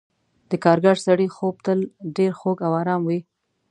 د کارګر سړي خوب تل ډېر خوږ او آرام وي.